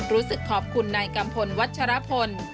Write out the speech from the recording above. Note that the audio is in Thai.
รู้สึกขอบคุณนายกัมพลวัชรพล